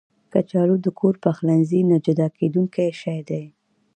کچالو د کور پخلنځي نه جدا کېدونکی شی دی